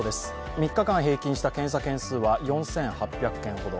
３日間平均した検査件数は４８００件ほど。